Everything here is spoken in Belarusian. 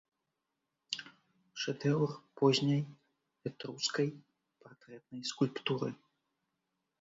Шэдэўр позняй этрускай партрэтнай скульптуры.